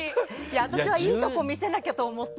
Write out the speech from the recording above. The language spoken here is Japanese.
私はいいところ見せなきゃと思って。